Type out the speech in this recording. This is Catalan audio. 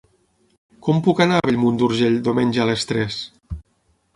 Com puc anar a Bellmunt d'Urgell diumenge a les tres?